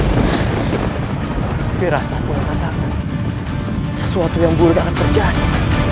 aku rasa aku mengatakan sesuatu yang belum akan terjadi